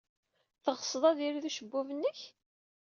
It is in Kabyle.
Teɣsed ad yirid ucebbub-nnek?